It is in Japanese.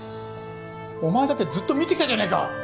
お前だってずっと見てきたじゃねえか！